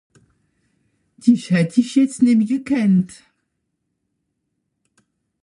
Dìch hätt ìch jetzt nemmi gekannt.